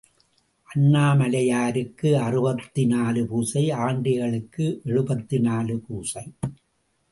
அண்ணாமலையாருக்கு அறுபத்து நாலு பூசை ஆண்டிகளுக்கு எழுபத்து நாலு பூசை.